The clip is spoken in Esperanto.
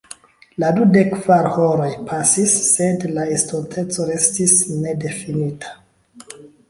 La dudek-kvar horoj pasis, sed la estonteco restis nedifinita.